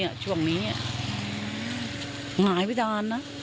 ยังไปได้